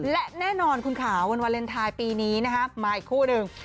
และแน่นอนคุณค่ะวันวาเลนไทยปีนี้นะคะมาอีกคู่หนึ่ง